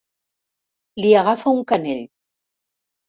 Li agafa un canell.